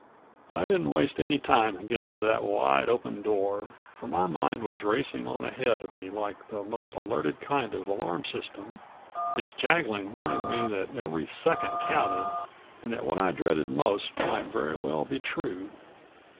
I didn't waste any time in getting to that wide open door, for my mind was racing on ahead of me like the most alerted kind of alarm system, its jaggling warning me that every second counted and that what I dreaded most might very well be true.